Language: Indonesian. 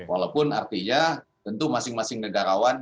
walaupun artinya tentu masing masing negarawan